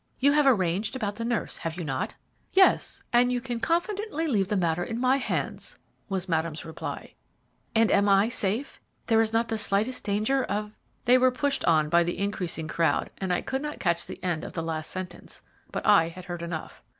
You have arranged about the nurse, have you not?" "Yes; you can confidently leave the matter in my hands," was Madame's reply. "And I am safe? There is not the slightest danger of " They were pushed on by the increasing crowd, and I could not catch the end of the last sentence, but I had heard enough.